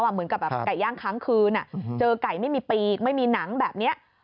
เหมือนกับแบบไก่ย่างค้างคืนเจอไก่ไม่มีปีกไม่มีหนังแบบนี้